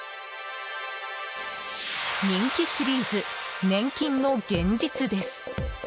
人気シリーズ年金の現実です。